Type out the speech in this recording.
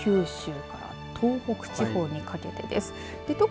九州から東北地方にかけてです。